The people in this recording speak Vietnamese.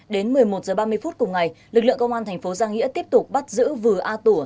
đến một mươi một h ba mươi phút cùng ngày lực lượng công an thành phố giang nghĩa tiếp tục bắt giữ vừa a tủa